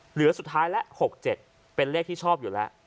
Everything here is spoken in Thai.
เหลือสุดท้ายแล้ว๖๗เป็นเลขที่ชอบอยู่แล้ว